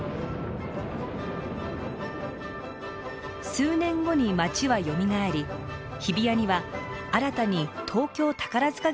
数年後に街はよみがえり日比谷には新たに東京宝塚劇場も造られました。